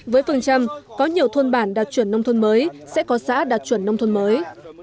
với phần trăm có nhiều thôn bản đạt chuẩn nông thôn mới sẽ có xã đạt chuẩn nông thôn mới